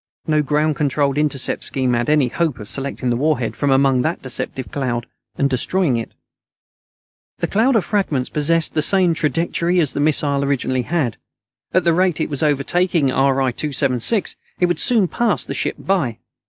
No ground controlled intercept scheme had any hope of selecting the warhead from among that deceptive cloud and destroying it. The cloud of fragments possessed the same trajectory as the missile originally had. At the rate it was overtaking RI 276, it would soon pass the ship by.